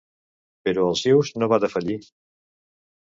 Però Alsius no va defallir.